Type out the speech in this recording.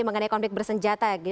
mengenai konflik bersenjata ya